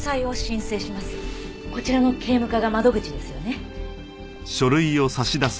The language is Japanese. こちらの警務課が窓口ですよね？